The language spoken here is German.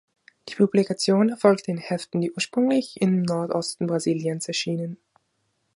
Die Publikation erfolgte in Heften, die ursprünglich im Nordosten Brasiliens erschienen.